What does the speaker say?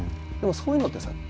でもそういうのってさ